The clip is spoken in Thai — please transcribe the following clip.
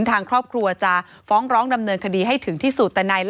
ทางครอบครัวจะฟ้องร้องดำเนินคดีให้ถึงที่สุด